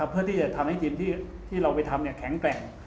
เพื่อที่จะทำให้ทีมที่เราไปทำแข็งแกร่ง